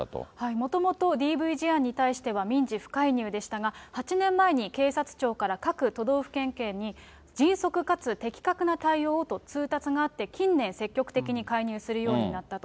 もともとＤＶ事案に対しては、民事不介入でしたが、８年前に警察庁から各都道府県警に、迅速かつ適格な対応をと通達があって、近年、積極的に介入するようになったと。